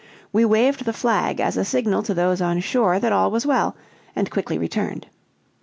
We waved the flag as a signal to those on shore that all was well, and quickly returned.